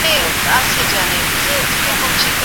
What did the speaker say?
حتی رسنۍ هم کله ناکله دا توپير نه کوي.